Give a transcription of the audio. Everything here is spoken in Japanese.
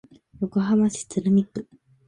横浜市鶴見区